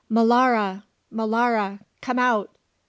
"Molara, Molara, come out!